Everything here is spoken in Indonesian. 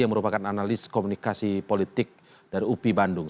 yang merupakan analis komunikasi politik dari upi bandung